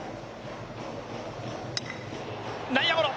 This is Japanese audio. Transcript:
内野ゴロ。